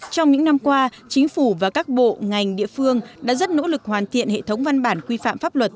trong những năm qua chính phủ và các bộ ngành địa phương đã rất nỗ lực hoàn thiện hệ thống văn bản quy phạm pháp luật